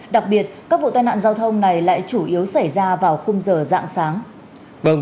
đặc biệt các vụ tai nạn giao thông này lại chủ yếu xảy ra vào khung giờ dạng sáng